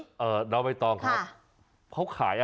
นี่คือเทคนิคการขาย